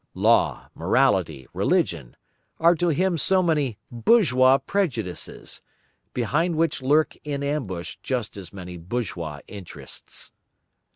Law, morality, religion, are to him so many bourgeois prejudices, behind which lurk in ambush just as many bourgeois interests.